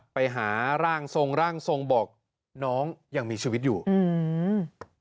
ไปหาร่างทรงร่างทรงบอกน้องยังมีชีวิตอยู่อืม